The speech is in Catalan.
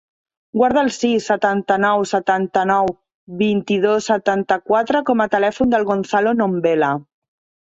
Guarda el sis, setanta-nou, setanta-nou, vint-i-dos, setanta-quatre com a telèfon del Gonzalo Nombela.